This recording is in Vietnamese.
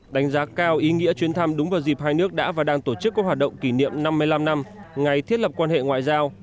đánh giá cao ý nghĩa chuyến thăm đúng vào dịp hai nước đã và đang tổ chức các hoạt động kỷ niệm năm mươi năm năm ngày thiết lập quan hệ ngoại giao